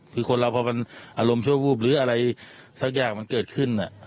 คือคนเราพอมันอารมณ์ชั่ววูบหรืออะไรสักอย่างมันเกิดขึ้น